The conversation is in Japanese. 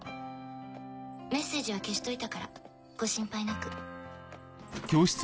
メッセージは消しといたからご心配なく。